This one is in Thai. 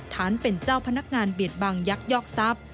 ฐานเป็นเจ้าพนักงานเบียดบังยักยอกทรัพย์